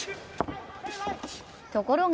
ところが